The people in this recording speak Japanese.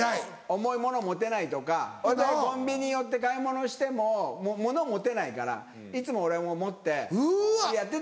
重いもの持てないとかコンビニ寄って買い物しても物持てないからいつも俺持ってやってた。